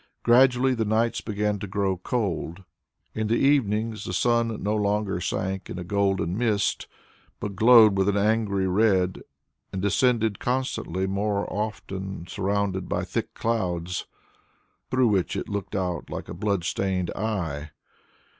Gradually the nights began to grow cold. In the evenings the sun no longer sank in a golden mist, but glowed with an angry red, and descended constantly more often surrounded by thick clouds, through which it looked out like a blood stained eye.